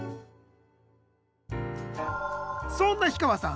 そんな氷川さん